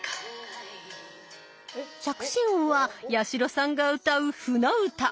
着信音は八代さんが歌う「舟唄」。